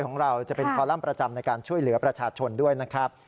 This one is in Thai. ของเราจะเป็นคอลัมป์ประจำในการช่วยเหลือประชาชนด้วยนะครับ